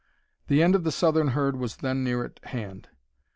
The end of the southern herd was then near at hand.